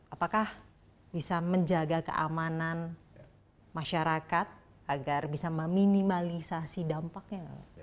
apakah bisa menjaga keamanan masyarakat agar bisa meminimalisasi dampaknya